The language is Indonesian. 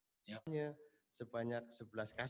sebelumnya sepanjang sebelas kasus